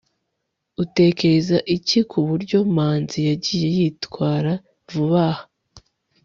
utekereza iki ku buryo manzi yagiye yitwara vuba aha